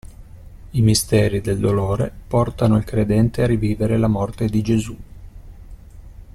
I misteri del dolore portano il credente a rivivere la morte di Gesù.